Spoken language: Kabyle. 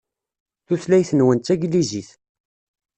Tutlayt-nwen d taglizit.